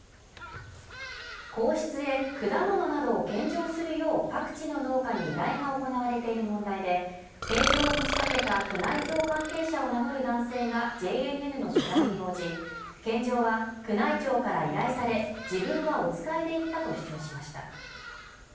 皇室へ果物などを献上するよう、各地の農家に依頼が行われている問題で献上を持ちかけた宮内庁関係者を名乗る男性がＪＮＮの取材に応じ、献上は、宮内庁から依頼され、自分はお使いで行ったと主張しました。